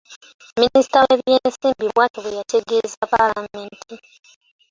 Minisita w’ebyensimbi bw'atyo bwe yategeeza Paalamenti.